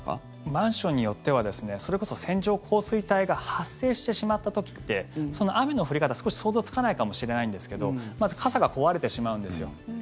マンションによってはそれこそ、線状降水帯が発生してしまった時って雨の降り方少し想像つかないかもしれないんですけどまず傘が壊れてしまうんですよ。